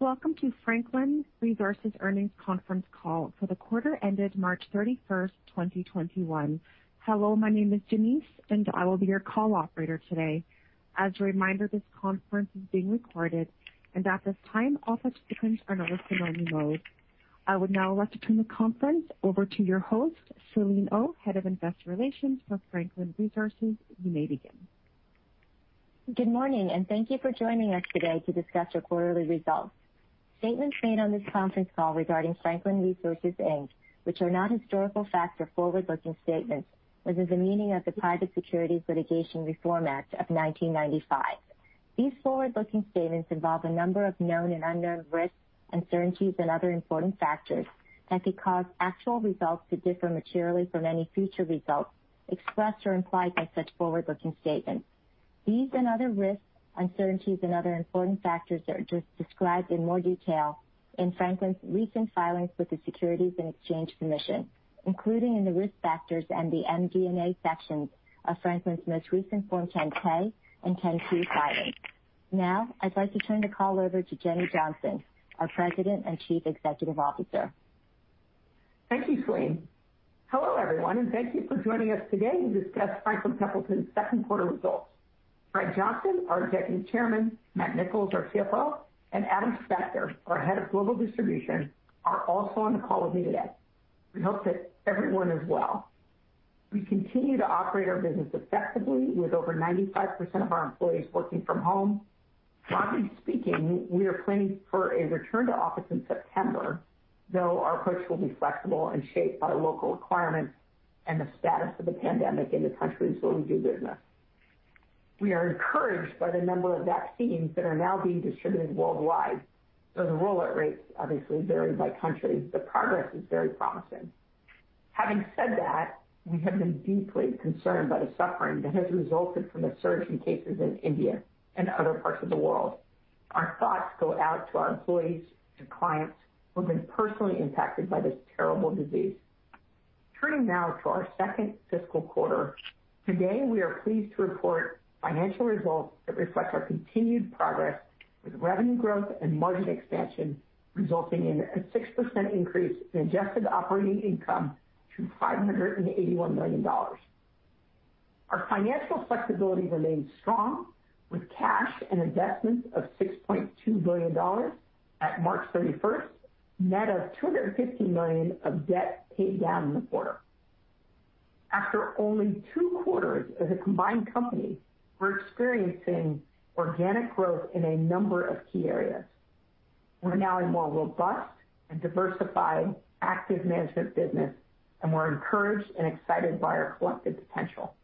Welcome to Franklin Resources' earnings conference call for the quarter ended March 31st, 2021. Hello, my name is Denise, and I will be your call operator today. As a reminder, this conference is being recorded, and at this time, all participants are in listen-only mode. I would now like to turn the conference over to your host, Selene Oh, Head of Investor Relations for Franklin Resources. You may begin. Good morning, thank you for joining us today to discuss our quarterly results. Statements made on this conference call regarding Franklin Resources, Inc, which are not historical facts or forward-looking statements within the meaning of the Private Securities Litigation Reform Act of 1995. These forward-looking statements involve a number of known and unknown risks, uncertainties, and other important factors that could cause actual results to differ materially from any future results expressed or implied by such forward-looking statements. Other risks, uncertainties, and other important factors are described in more detail in Franklin's recent filings with the Securities and Exchange Commission, including in the Risk Factors and the MD&A sections of Franklin's most recent Form 10-K and 10-Q filings. Now, I'd like to turn the call over to Jenny Johnson, our President and Chief Executive Officer. Thank you, Selene. Hello, everyone, thank you for joining us today to discuss Franklin Templeton's second quarter results. Greg Johnson, our Deputy Chairman, Matt Nicholls, our CFO, and Adam Spector, our Head of Global Distribution, are also on the call with me today. We hope that everyone is well. We continue to operate our business effectively with over 95% of our employees working from home. Broadly speaking, we are planning for a return to the office in September, though our approach will be flexible and shaped by local requirements and the status of the pandemic in the countries where we do business. We are encouraged by the number of vaccines that are now being distributed worldwide, though the rollout rates obviously vary by country. The progress is very promising. Having said that, we have been deeply concerned by the suffering that has resulted from the surge in cases in India and other parts of the world. Our thoughts go out to our employees and clients who have been personally impacted by this terrible disease. Turning now to our second fiscal quarter. Today, we are pleased to report financial results that reflect our continued progress with revenue growth and margin expansion, resulting in a 6% increase in adjusted operating income to $581 million. Our financial flexibility remains strong with cash and investments of $6.2 billion at March 31st, net of $250 million of debt paid down in the quarter. After only two quarters as a combined company, we're experiencing organic growth in a number of key areas. We're now a more robust and diversified active management business. We're encouraged and excited by our collective potential.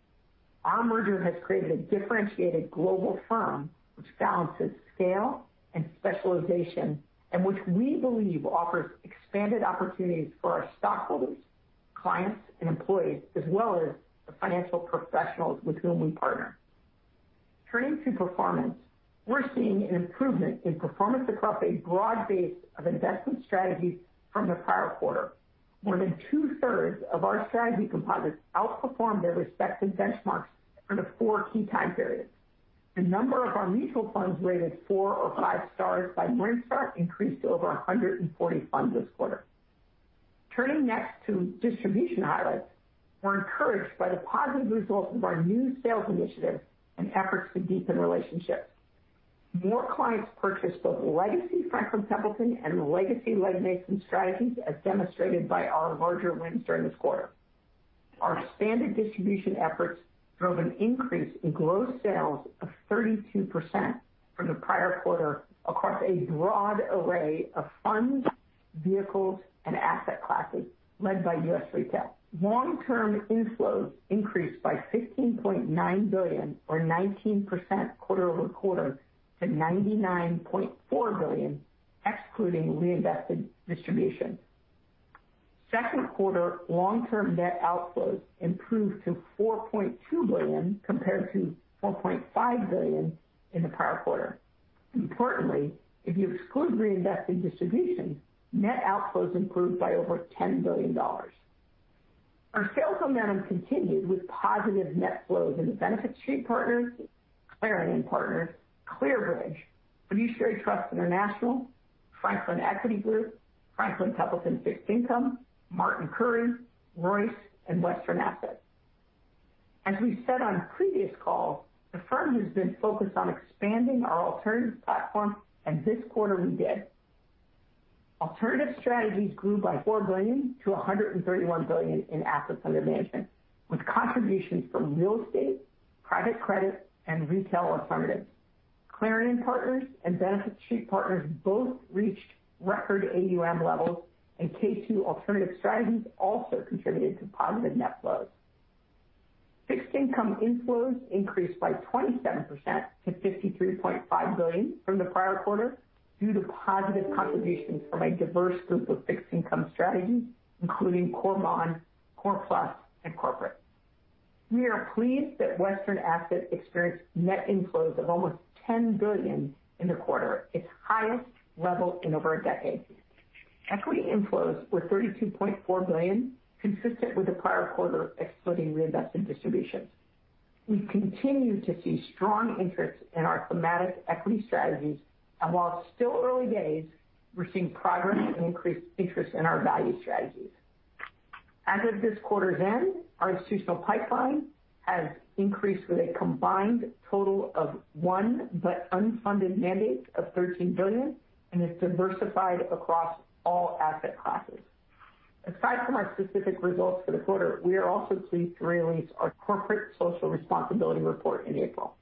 Our merger has created a differentiated global firm that balances scale and specialization, and which we believe offers expanded opportunities for our stockholders, clients, and employees, as well as the financial professionals with whom we partner. Turning to performance. We're seeing an improvement in performance across a broad base of investment strategies from the prior quarter. More than 2/3 of our strategy composites outperformed their respective benchmarks under four key time periods. The number of our mutual funds rated four or five stars by Morningstar increased to over 140 funds this quarter. Turning next to distribution highlights. We're encouraged by the positive results of our new sales initiatives and efforts to deepen relationships. More clients purchased both legacy Franklin Templeton and legacy Legg Mason strategies, as demonstrated by our larger wins during this quarter. Our expanded distribution efforts drove an increase in gross sales of 32% from the prior quarter across a broad array of funds, vehicles, and asset classes, led by U.S. retail. Long-term inflows increased by $15.9 billion or 19% quarter-over-quarter to $99.4 billion, excluding reinvested distribution. Second quarter long-term net outflows improved to $4.2 billion compared to $4.5 billion in the prior quarter. Importantly, if you exclude reinvested distributions, net outflows improved by over $10 billion. Our sales momentum continued with positive net flows into Benefit Street Partners, Clarion Partners, ClearBridge, Fiduciary Trust International, Franklin Equity Group, Franklin Templeton Fixed Income, Martin Currie, Royce, and Western Asset. As we said on previous calls, the firm has been focused on expanding our alternatives platform; this quarter, we did. Alternative strategies grew by $4 billion to $131 billion in assets under management, with contributions from real estate, private credit, and retail alternatives. Clarion Partners and Benefit Street Partners both reached record AUM levels, and K2 alternative strategies also contributed to positive net flows. Fixed income inflows increased by 27% to $53.5 billion from the prior quarter due to positive contributions from a diverse group of fixed income strategies, including core bond, core plus, and corporate. We are pleased that Western Asset experienced net inflows of almost $10 billion in the quarter, its highest level in over a decade. Equity inflows were $32.4 billion, consistent with the prior quarter, excluding reinvested distributions. We continue to see strong interest in our thematic equity strategies, and while it's still early days, we're seeing progress and increased interest in our value strategies. As of this quarter's end, our institutional pipeline has increased with a combined total of won but unfunded mandates of $13 billion and is diversified across all asset classes. Aside from our specific results for the quarter, we are also pleased to release our corporate social responsibility report in April.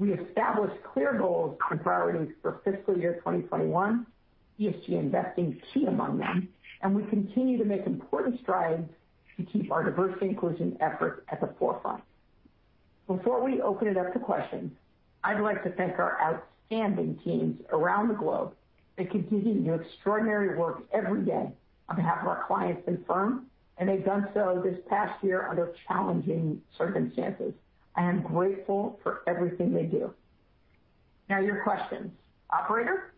We established clear goals and priorities for fiscal year 2021, ESG investing key among them, and we continue to make important strides to keep our diversity and inclusion efforts at the forefront. Before we open it up to questions, I'd like to thank our outstanding teams around the globe that continue to do extraordinary work every day on behalf of our clients and firm, and they've done so this past year under challenging circumstances. I am grateful for everything they do. Now, your questions. Operator?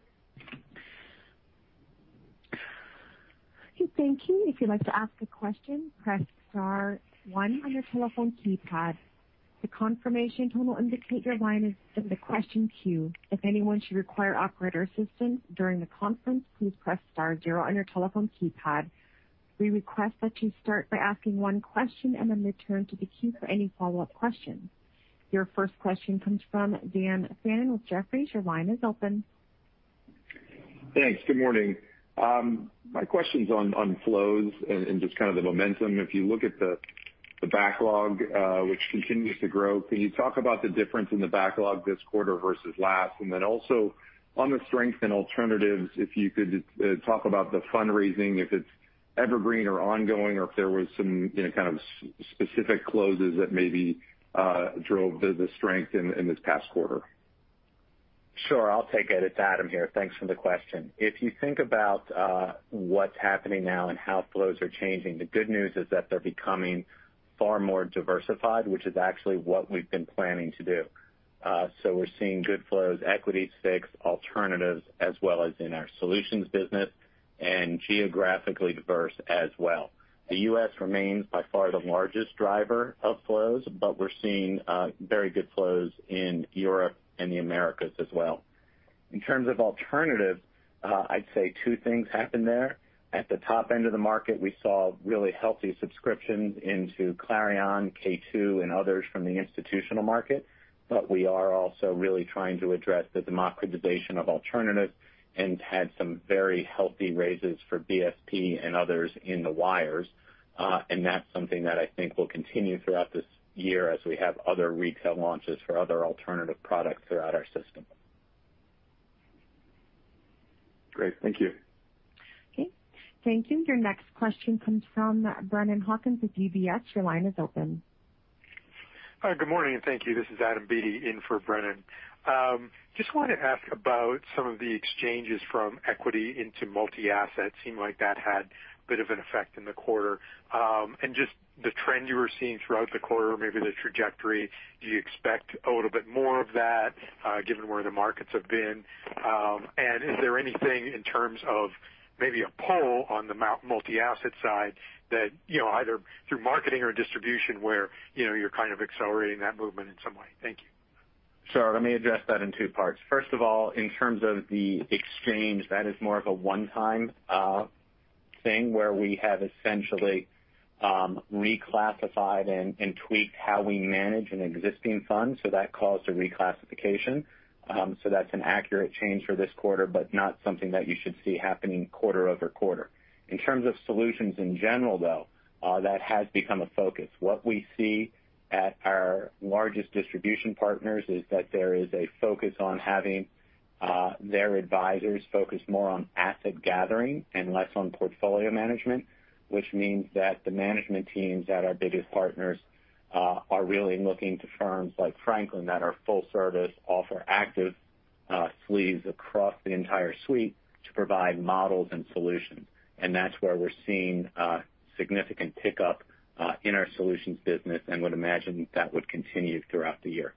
Okay, thank you. If you'd like to ask a question, press star one on your telephone keypad. The confirmation tone will indicate your line is in the question queue. If anyone should require operator assistance during the conference, please press star zero on your telephone keypad. We request that you start by asking one question and then return to the queue for any follow-up questions. Your first question comes from Dan Fannon with Jefferies. Your line is open. Thanks. Good morning. My question's on flows and just kind of the momentum. If you look at the backlog, which continues to grow, can you talk about the difference in the backlog this quarter versus last? Also, on the strength in alternatives, if you could talk about the fundraising, if it's evergreen or ongoing, or if there were some kind of specific closes that maybe drove the strength in this past quarter. Sure. I'll take it. It's Adam here. Thanks for the question. If you think about what's happening now and how flows are changing, the good news is that they're becoming far more diversified, which is actually what we've been planning to do. We're seeing good flows, equities, fixed, alternatives, as well as in our solutions business, and geographically diverse as well. The U.S. remains by far the largest driver of flows, and we're seeing very good flows in Europe and the Americas as well. In terms of alternatives, I'd say two things happened there. At the top end of the market, we saw really healthy subscriptions into Clarion, K2, and others from the institutional market. We are also really trying to address the democratization of alternatives and had some very healthy raises for BSP and others in the wires. That's something that I think will continue throughout this year, as we have other retail launches for other alternative products throughout our system. Great. Thank you. Okay. Thank you. Your next question comes from Brennan Hawken with UBS. Your line is open. Hi, good morning. Thank you. This is Adam Beatty in for Brennan. Just wanted to ask about some of the exchanges from equity into multi-asset. Seemed like that had a bit of an effect in the quarter. Just the trend you were seeing throughout the quarter, maybe the trajectory, do you expect a little bit more of that, given where the markets have been? Is there anything in terms of maybe a pull on the multi-asset side that either through marketing or distribution, where you're kind of accelerating that movement in some way? Thank you. Sure. Let me address that in two parts. First of all, in terms of the exchange, that is more of a one-time thing where we have essentially reclassified and tweaked how we manage an existing fund, so that caused a reclassification. That's an accurate change for this quarter, but not something that you should see happening quarter-over-quarter. In terms of solutions in general, though, that has become a focus. What we see at our largest distribution partners is that there is a focus on having their advisors focus more on asset gathering and less on portfolio management, which means that the management teams at our biggest partners are really looking to firms like Franklin that are full-service and offer active sleeves across the entire suite to provide models and solutions. That's where we're seeing a significant pickup in our solutions business, and we would imagine that would continue throughout the year.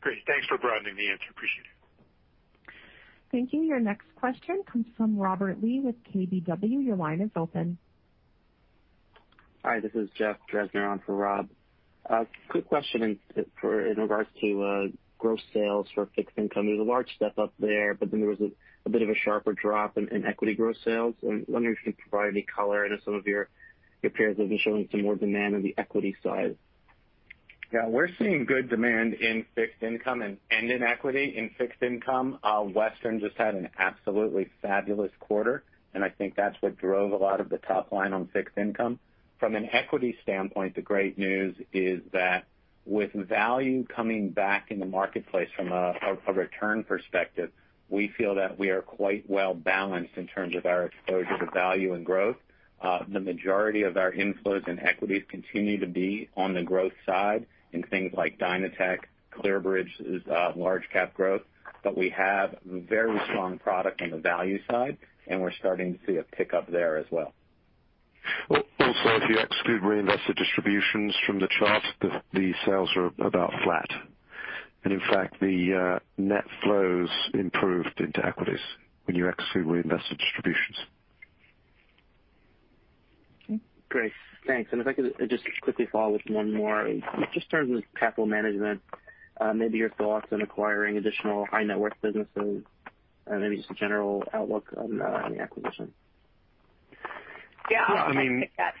Great. Thanks for broadening the answer. Appreciate it. Thank you. Your next question comes from Robert Lee with KBW. Hi, this is Jeff Drezner on for Rob. Quick question regarding gross sales for fixed income. There was a large step up there, but then there was a bit of a sharper drop in equity gross sales. I'm wondering if you can provide any color on some of your peers who have been showing more demand on the equity side? Yeah. We're seeing good demand in fixed income and in equity. In fixed income, Western Asset just had an absolutely fabulous quarter, and I think that's what drove a lot of the top line on fixed income. From an equity standpoint, the great news is that with value coming back in the marketplace from a return perspective, we feel that we are quite well-balanced in terms of our exposure to value and growth. The majority of our inflows and equities continue to be on the growth side in things like DynaTech. ClearBridge is a large-cap growth, but we have a very strong product on the value side, and we're starting to see a pickup there as well. If you exclude reinvested distributions from the chart, the sales are about flat. In fact, the net flows improved into equities when you exclude reinvested distributions. Great. Thanks. If I could just quickly follow with one more, just starting with capital management, maybe your thoughts on acquiring additional high-net-worth businesses, and maybe just a general outlook on the acquisition. Yeah. I mean- I can take that.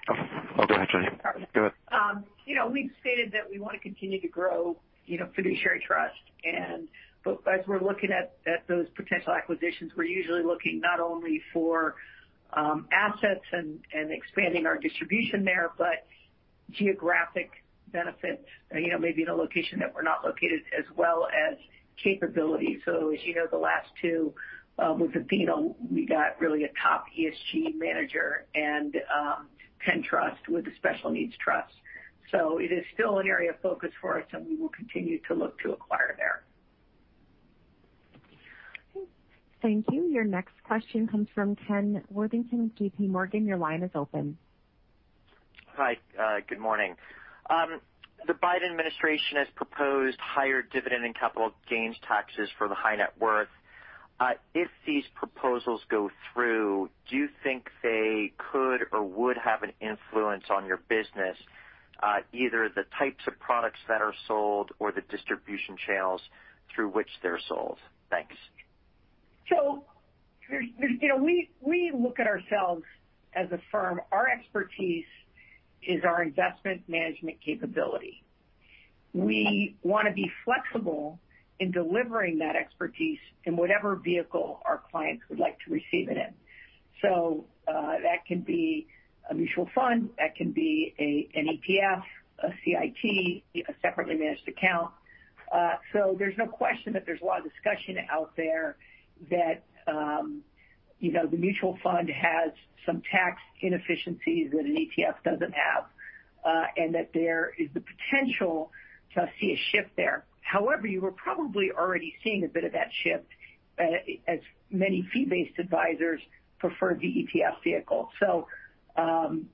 Oh, go ahead, Jenny. Go ahead. We've stated that we want to continue to grow Fiduciary Trust. As we're looking at those potential acquisitions, we're usually looking not only for assets and expanding our distribution there, but geographic benefit, maybe in a location where we're not located, as well as capability. As you know, the last two, with Athena, we got a really top ESG manager, and Penn Trust with the special needs trust. It is still an area of focus for us, and we will continue to look to acquire there. Okay. Thank you. Your next question comes from Ken Worthington of JPMorgan. Hi. Good morning. The Biden administration has proposed higher dividend and capital gains taxes for high-net-worth businesses. If these proposals go through, do you think they could or would have an influence on your business, either the types of products that are sold or the distribution channels through which they're sold? Thanks. We look at ourselves as a firm. Our expertise is our investment management capability. We want to be flexible in delivering that expertise in whatever vehicle our clients would like to receive it in. That can be a mutual fund, that can be an ETF, a CIT, or a separately managed account. There's no question that there's a lot of discussion out there that the mutual fund has some tax inefficiencies that an ETF doesn't have, and that there is the potential to see a shift there. However, you are probably already seeing a bit of that shift, as many fee-based advisors prefer the ETF vehicle. If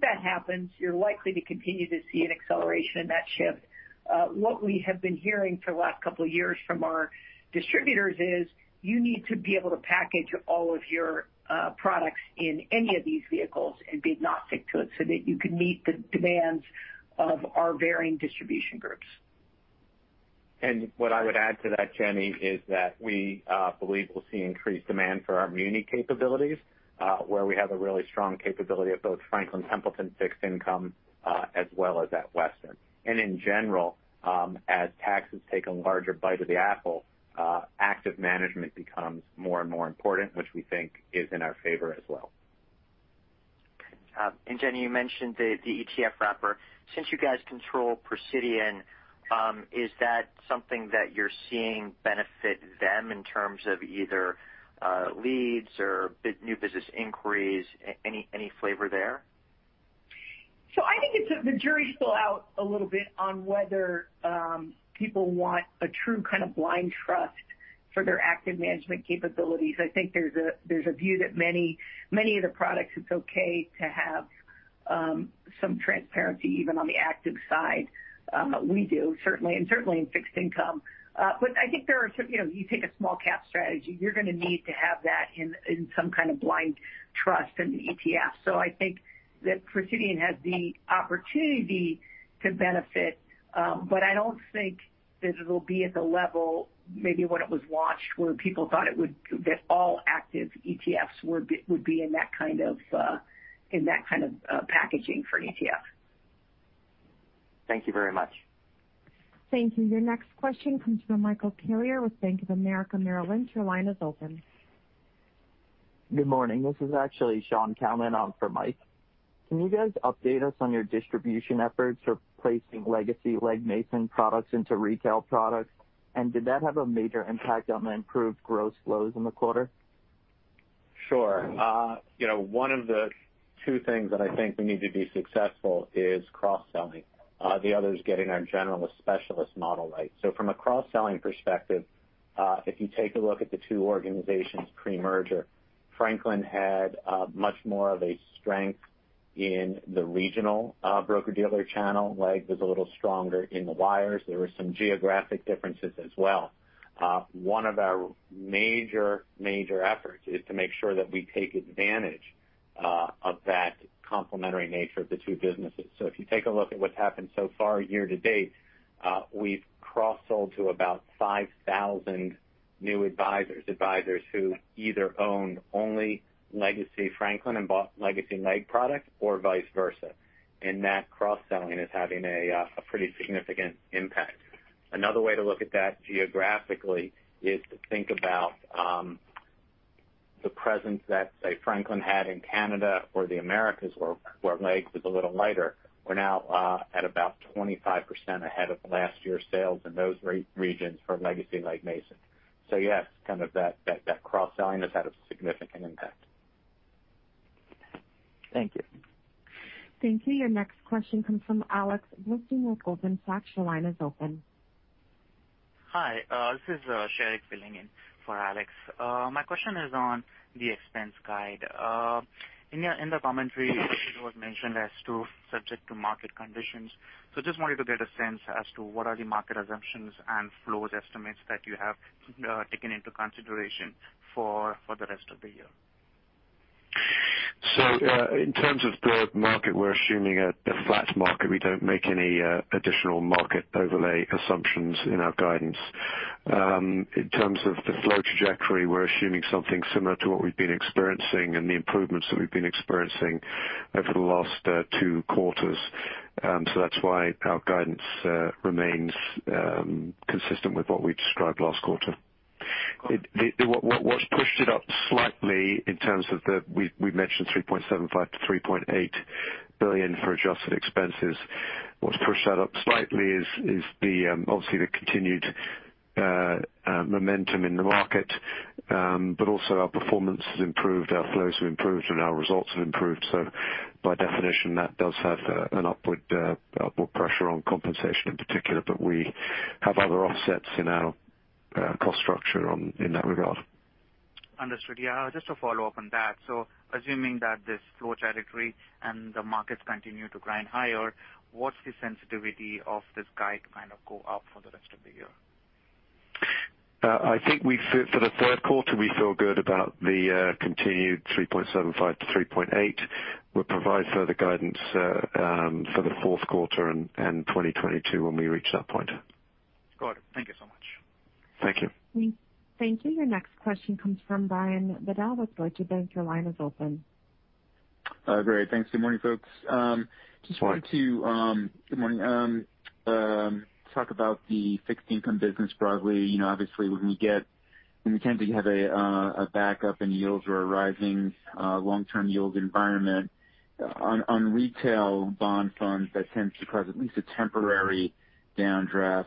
that happens, you're likely to continue to see an acceleration in that shift. What we have been hearing for the last couple of years from our distributors is that you need to be able to package all of your products in any of these vehicles and be agnostic to it so that you can meet the demands of our varying distribution groups. What I would add to that, Jenny, is that we believe we'll see increased demand for our muni capabilities, where we have a really strong capability of both Franklin Templeton Fixed Income as well as at Western Asset. In general, as taxes take a larger bite of the apple, active management becomes more and more important, which we think is in our favor as well. Jenny, you mentioned the ETF wrapper. Since you guys control Precidian, is that something that you're seeing benefit them in terms of either leads or new business inquiries? Any flavor there? I think the jury's still out a little bit on whether people want a true kind of blind trust for their active management capabilities. I think there's a view that many of the products, it's okay to have some transparency, even on the active side. We do, certainly, and certainly in fixed income. I think if you take a small-cap strategy, you're going to need to have that in some kind of blind trust in the ETF. I think that Precidian has the opportunity to benefit, but I don't think that it'll be at the level, maybe when it was launched, where people thought that all active ETFs would be in that kind of packaging for an ETF. Thank you very much. Thank you. Your next question comes from Michael Carrier with Bank of America Merrill Lynch. Your line is open. Good morning. This is actually Shaun Calnan on for Mike. Can you guys update us on your distribution efforts for placing legacy Legg Mason products into retail products? Did that have a major impact on the improved gross flows in the quarter? Sure. One of the two things that I think we need to be successful in is cross-selling. The other is getting our generalist specialist model right. From a cross-selling perspective, if you take a look at the two organizations pre-merger, Franklin had much more of a strength in the regional broker-dealer channel. Legg was a little stronger in the wires. There were some geographic differences as well. One of our major efforts is to make sure that we take advantage of the complementary nature of the two businesses. If you take a look at what's happened so far year to date, we've cross-sold to about 5,000 new advisors who either owned only legacy Franklin and bought legacy Legg products, or vice versa. That cross-selling is having a pretty significant impact. Another way to look at that geographically is to think about the presence that, say, Franklin had in Canada or the Americas, where Legg was a little lighter. We're now at about 25% ahead of last year's sales in those regions for legacy Legg Mason. Yes, kind of, that cross-selling has had a significant impact. Thank you. Thank you. Your next question comes from Alex Blostein with Goldman Sachs. Your line is open. Hi, this is Sheriq filling in for Alex. My question is on the expense guide. In the commentary, it was mentioned as subject to market conditions. Just wanted to get a sense as to what are the market assumptions and flow estimates are that you have taken into consideration for the rest of the year. In terms of the market, we're assuming a flat market. We don't make any additional market overlay assumptions in our guidance. In terms of the flow trajectory, we're assuming something similar to what we've been experiencing and the improvements that we've been experiencing over the last two quarters. That's why our guidance remains consistent with what we described last quarter. What's pushed it up slightly in terms of the, we mentioned $3.75 billion-$3.8 billion for adjusted expenses. What's pushed that up slightly is obviously the continued momentum in the market. Also, our performance has improved, our flows have improved, and our results have improved. By definition, that does have an upward pressure on compensation in particular. We have other offsets in our cost structure in that regard. Understood. Yeah. Just to follow up on that. Assuming that this flow trajectory and the markets continue to grind higher, what's the sensitivity of this guide to kind of go up for the rest of the year? I think for the third quarter, we feel good about the continued $3.75 billion-$3.8 billion. We'll provide further guidance for the fourth quarter and 2022 when we reach that point. Got it. Thank you so much. Thank you. Thank you. Your next question comes from Brian Bedell with Deutsche Bank. Your line is open. Great. Thanks. Good morning, folks. Just wanted to talk about the fixed income business broadly. Obviously, when we tend to have a backup in yields or a rising long-term yield environment. On retail bond funds, that tends to cause at least a temporary downdraft or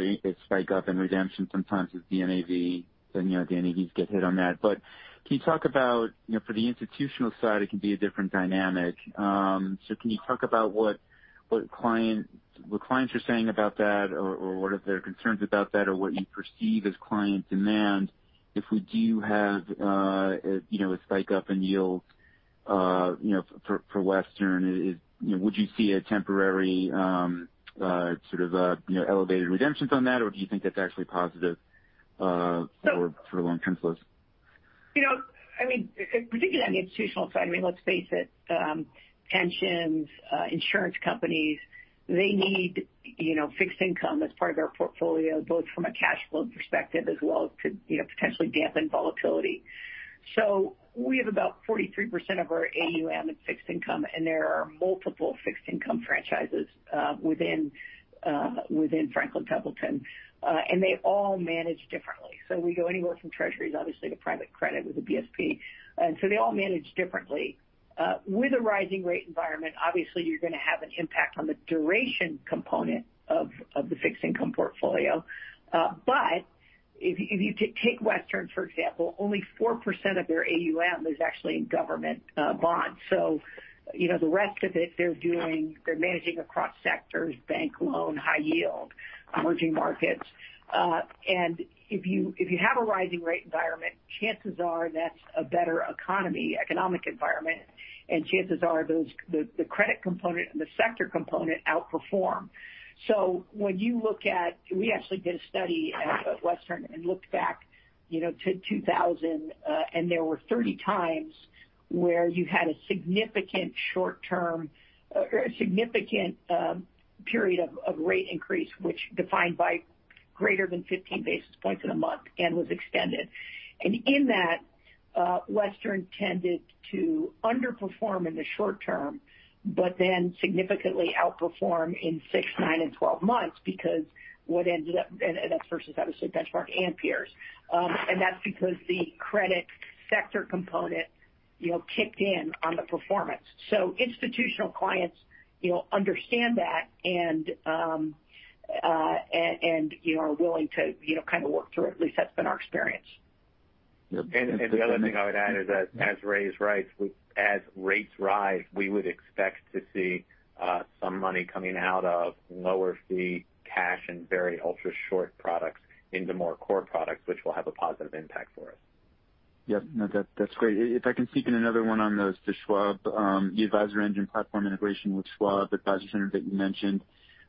a spike up in redemption, sometimes as the NAV. The NAVs get hit on that. Can you talk about, for the institutional side, it can be a different dynamic? Can you talk about what clients are saying about that, or what their concerns are about that, or what you perceive as client demand if we do have a spike up in yields for Western? Would you see a temporary sort of elevated redemption on that? Do you think that's actually positive for long-term flows? Particularly on the institutional side, let's face it, pensions, insurance companies, they need fixed income as part of their portfolio, both from a cash flow perspective as well as to potentially dampen volatility. We have about 43% of our AUM in fixed income, and there are multiple fixed income franchises within Franklin Templeton. They all manage differently. We go anywhere from Treasuries, obviously, to private credit with the BSP. They all manage differently. With a rising rate environment, obviously, you're going to have an impact on the duration component of the fixed income portfolio. If you take Western, for example, only 4% of their AUM is actually in government bonds. The rest of it, they're managing across sectors, bank loans, high-yield emerging markets. If you have a rising rate environment, chances are that's a better economic environment, and chances are the credit component and the sector component outperform. When you look at it, we actually did a study at Western Asset and looked back to 2000, and there were 30 times where you had a significant period of rate increase, which was defined by greater than 15 basis points in a month and was extended. In that, Western Asset tended to underperform in the short term, but then significantly outperformed in six, nine, and 12 months because of what ended up, and that's versus obviously benchmark and peers. That's because the credit sector component kicked in on the performance. Institutional clients understand that and are willing to kind of work through it. At least that's been our experience. The other thing I would add is that as rates rise, we would expect to see some money coming out of lower-fee cash and very ultra-short products into more core products, which will have a positive impact for us. Yep. No, that's great. If I can sneak in another one on the Schwab, the AdvisorEngine platform integration with Schwab Advisor Center that you mentioned.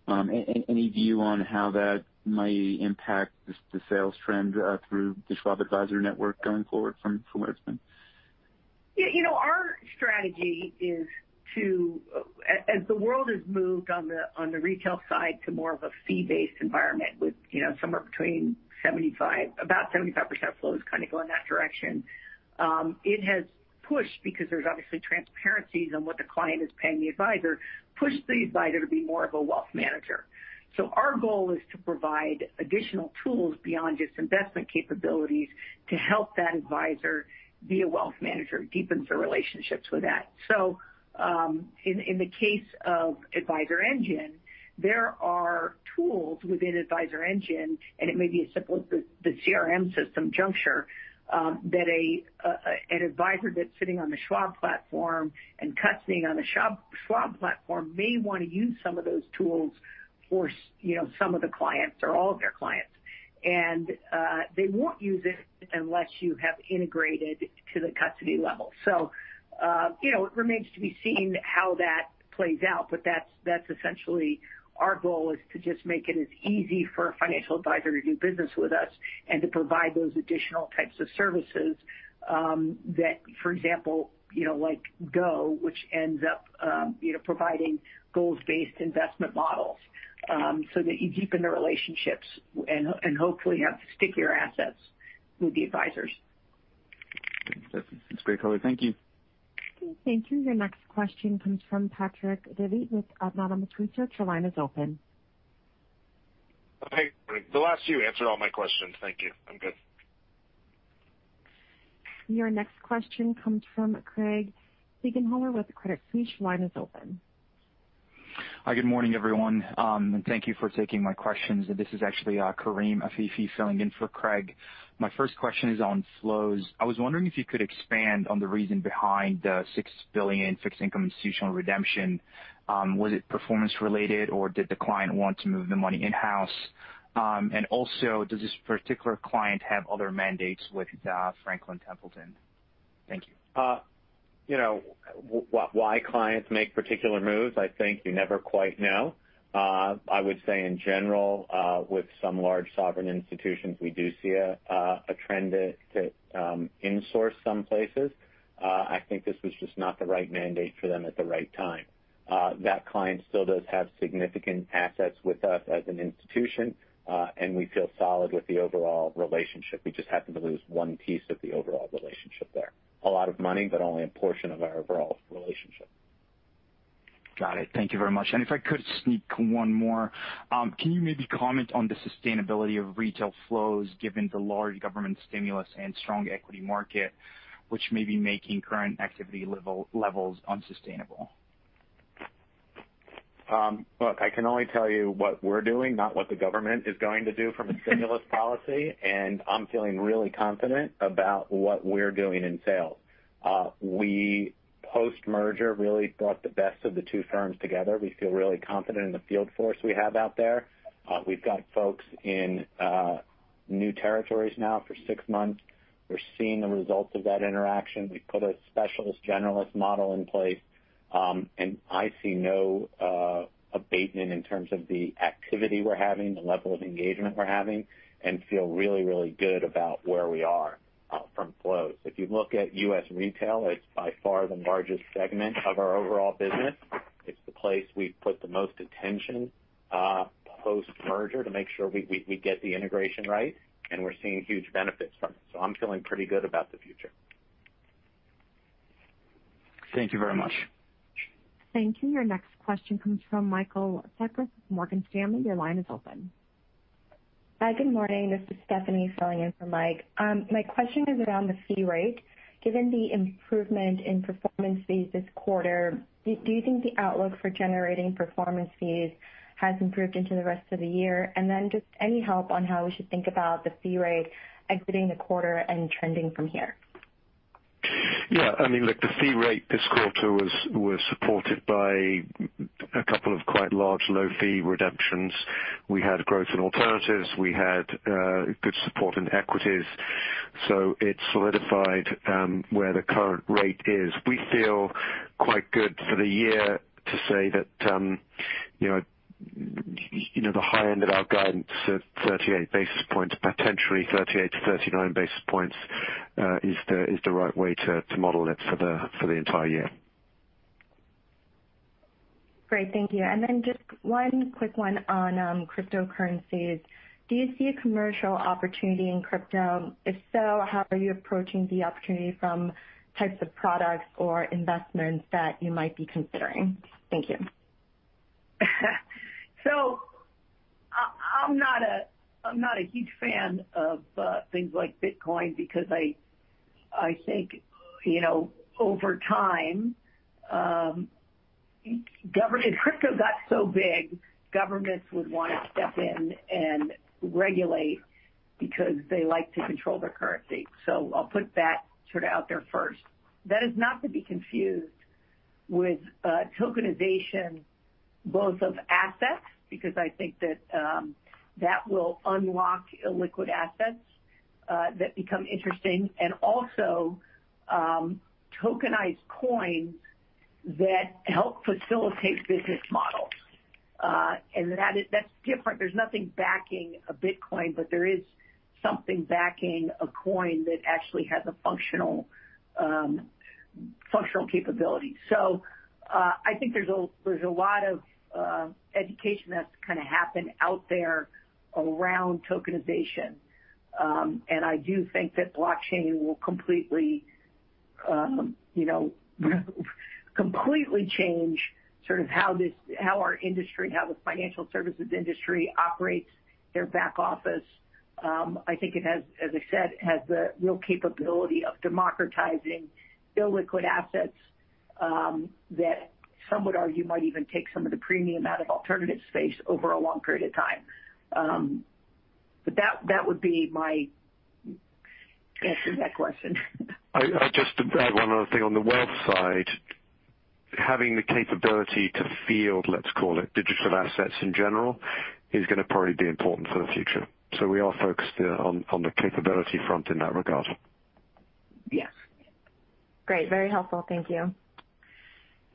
Any view on how that might impact the sales trend through the Schwab advisor network going forward, from what it's been? Our strategy is to, as the world has moved on the retail side to more of a fee-based environment, with somewhere between about 75% flows kind of going that direction. It has pushed because there's obviously transparency on what the client is paying the advisor, pushing the advisor to be more of a wealth manager. Our goal is to provide additional tools beyond just investment capabilities to help that advisor be a wealth manager, deepens their relationships with that. In the case of AdvisorEngine, there are tools within AdvisorEngine, and it may be as simple as the CRM system Junxure, that an advisor who's sitting on the Schwab platform and custody on the Schwab platform may want to use some of those tools for some of the clients or all of their clients. They won't use it unless you have integrated it into the custody level. It remains to be seen how that plays out, but that's essentially our goal is to just make it as easy for a financial advisor to do business with us and to provide those additional types of services that, for example, like GOE, which ends up providing goal-based investment models so that you deepen the relationships and hopefully have stickier assets with the advisors. That's great color. Thank you. Okay, thank you. Your next question comes from Patrick Davitt with Autonomous Research. Your line is open. Hi. The last few answered all my questions. Thank you. I'm good. Your next question comes from Craig Siegenthaler with Credit Suisse. Your line is open. Hi, good morning, everyone. Thank you for taking my questions. This is actually Kareem Afifi filling in for Craig. My first question is on flows. I was wondering if you could expand on the reason behind the $6 billion fixed-income institutional redemption. Was it performance-related, or did the client want to move the money in-house? Also, does this particular client have other mandates with Franklin Templeton? Thank you. Why clients make particular moves, I think you never quite know. I would say in general, with some large sovereign institutions, we do see a trend to insource some places. I think this was just not the right mandate for them at the right time. That client still does have significant assets with us as an institution, and we feel solid with the overall relationship. We just happened to lose one piece of the overall relationship there. A lot of money, but only a portion of our overall relationship. Got it. Thank you very much. If I could sneak one more. Can you maybe comment on the sustainability of retail flows given the large government stimulus and strong equity market, which may be making current activity levels unsustainable? Look, I can only tell you what we're doing, not what the government is going to do from a stimulus policy, and I'm feeling really confident about what we're doing in sales. We, post-merger, really brought the best of the two firms together. We feel really confident in the field force we have out there. We've got folks in new territories now for six months. We're seeing the results of that interaction. We put a specialist generalist model in place. I see no abatement in terms of the activity we're having, the level of engagement we're having, and I feel really, really good about where we are from flows. If you look at U.S. retail, it's by far the largest segment of our overall business. It's the place we've put the most attention post-merger to make sure we get the integration right, and we're seeing huge benefits from it. I'm feeling pretty good about the future. Thank you very much. Thank you. Your next question comes from Michael Cyprys with Morgan Stanley. Your line is open. Hi, good morning. This is Stephanie filling in for Mike. My question is around the fee rate. Given the improvement in performance fees this quarter, do you think the outlook for generating performance fees has improved for the rest of the year? Just any help on how we should think about the fee rate exiting the quarter and trending from here? Look, the fee rate this quarter was supported by a couple of quite large low-fee redemptions. We had growth in alternatives. We had good support in equities. It solidified where the current rate is. We feel quite good for the year to say that the high end of our guidance at 38 basis points, potentially 38-39 basis points, is the right way to model it for the entire year. Great. Thank you. Then just one quick one on cryptocurrencies. Do you see a commercial opportunity in crypto? If so, how are you approaching the opportunity from types of products or investments that you might be considering? Thank you. I'm not a huge fan of things like Bitcoin because I think, over time, crypto has gotten so big that governments would want to step in and regulate because they like to control their currency. I'll put that sort of out there first. That is not to be confused with the tokenization of assets, because I think that will unlock illiquid assets that become interesting, and also tokenized coins that help facilitate business models. That's different. There's nothing backing a Bitcoin, but there is something backing a coin that actually has a functional capability. I think there's a lot of education that's going to happen out there around tokenization. I do think that blockchain will completely change sort of how our industry, how the financial services industry operates its back office. I think it, as I said, has the real capability of democratizing illiquid assets that some would argue might even take some of the premium out of the alternative space over a long period of time. That would be my answer to that question. I'll just add one other thing on the wealth side. Having the capability to field, let's call it, digital assets in general, is going to be important for the future. We are focused on the capability front in that regard. Yes. Great. Very helpful. Thank you.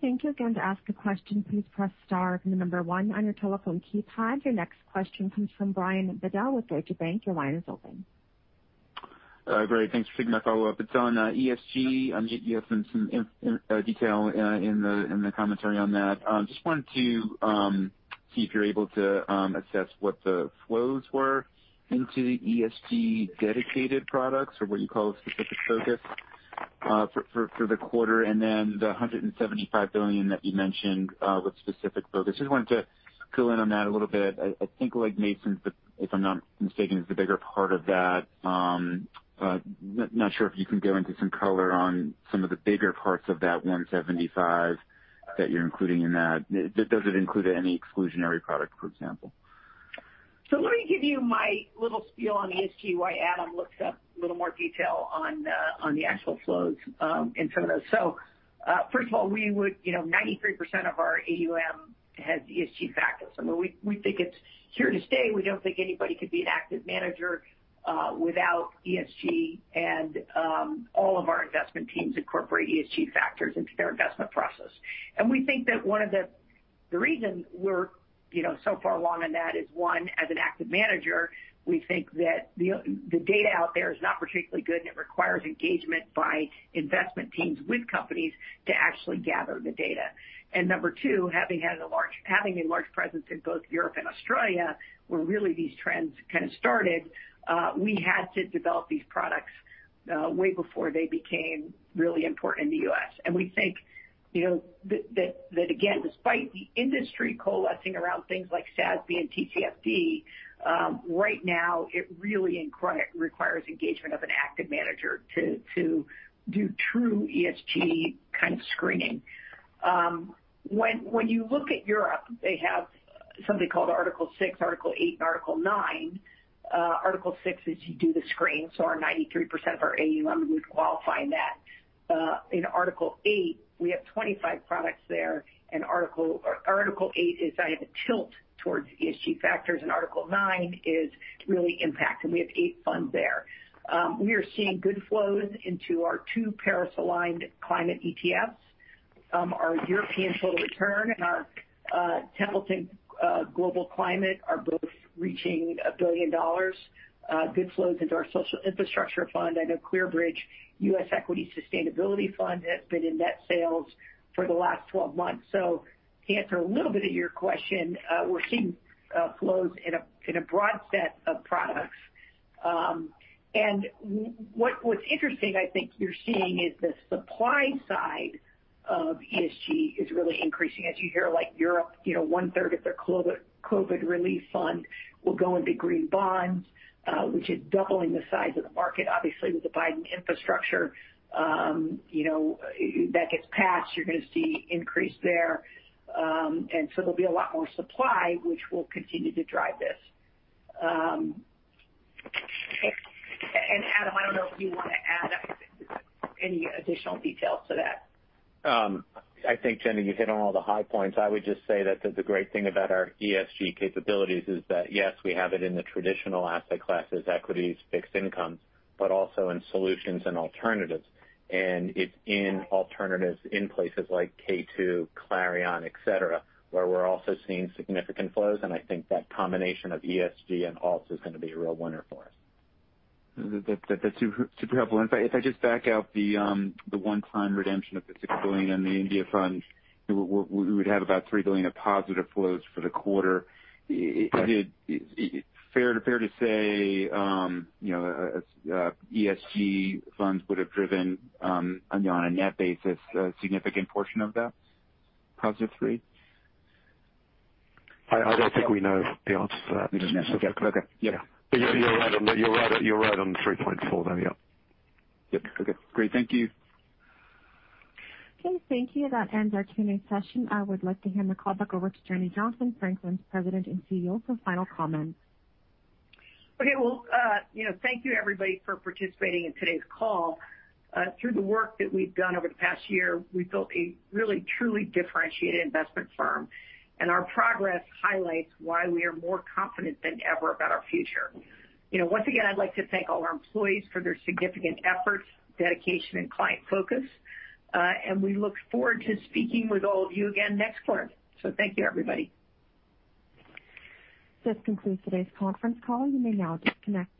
Thank you. Again, to ask a question, please press the number one on your telephone keypad. Your next question comes from Brian Bedell with Deutsche Bank. Hi, great. Thanks for taking my follow-up. It's on ESG. You have given some details in the commentary on that. wanted to see if you're able to assess what the flows were into the ESG dedicated products, or what you call specific focus for the quarter, and then the $175 billion that you mentioned with specific focus. wanted to go in on that a little bit. I think Legg Mason, if I'm not mistaken, is the bigger part of that. Not sure if you can go into some color on some of the bigger parts of that $175 billion that you're including in that. Does it include any exclusionary product, for example? Let me give you my little spiel on ESG while Adam looks up a little more detail on the actual flows in some of those. First of all, 93% of our AUM has ESG factors. I mean, we think it's here to stay. We don't think anybody could be an active manager without ESG. All of our investment teams incorporate ESG factors into their investment process. We think that one of the reasons we're so far along in that is one, as an active manager, we think that the data out there is not particularly good, and it requires engagement by investment teams with companies to actually gather the data. Number two, having a large presence in both Europe and Australia, where these trends really started, we had to develop these products way before they became really important in the U.S. We think that again, despite the industry coalescing around things like SASB and TCFD, right now it really requires engagement of an active manager to do true ESG kind of screening. When you look at Europe, they have something called Article 6, Article 8, and Article 9. Article 6 is that you do the screen. Our 93% of our AUM would qualify in that. In Article 8, we have 25 products there. Article 8 is kind of a tilt towards ESG factors. Article 9 is really impactful, and we have eight funds there. We are seeing good flows into our two Paris-aligned climate ETFs. Our European Total Return and our Templeton Global Climate are both reaching $1 billion. Good flows into our Social Infrastructure Fund, and our ClearBridge U.S. Equity Sustainability Fund has been in net sales for the last 12 months. To answer a little bit of your question, we're seeing flows in a broad set of products. What's interesting, I think you're seeing, is that the supply side of ESG is really increasing. As you hear, like Europe, 1/3 of their COVID relief fund will go into green bonds, which is doubling the size of the market. Obviously, with the Biden infrastructure that gets passed, you're going to see an increase there. There'll be a lot more supply, which will continue to drive this. Adam, I don't know if you want to add any additional details to that? I think, Jenny, you hit on all the high points. I would just say that the great thing about our ESG capabilities is that, yes, we have it in the traditional asset classes, equities, fixed income, but also in solutions and alternatives. It's in alternatives in places like K2, Clarion, et cetera, where we're also seeing significant flows. I think that combination of ESG and alts is going to be a real winner for us. That's super helpful. If I just back out the one-time redemption of the $6 billion in the India fund, we would have about $3 billion of positive flows for the quarter. Right. Is it fair to say ESG funds would have driven, on a net basis, a significant portion of that positively? I don't think we know the answer to that. We don't know the answer to that. You're right on the $3.4 billion there. Yep. Yep. Okay, great. Thank you. Okay, thank you. That ends our Q&A session. I would like to hand the call back over to Jenny Johnson, Franklin's President and CEO, for final comments. Well, thank you everybody, for participating in today's call. Through the work that we've done over the past year, we've built a really, truly differentiated investment firm, and our progress highlights why we are more confident than ever about our future. Once again, I'd like to thank all our employees for their significant efforts, dedication, and client focus. We look forward to speaking with all of you again next quarter. Thank you, everybody. This concludes today's conference call. You may now disconnect.